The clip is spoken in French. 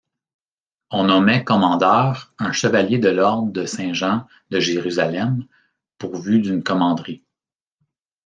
On nommait commandeur un chevalier de l'ordre de Saint-Jean de Jérusalem pourvu d'une commanderie.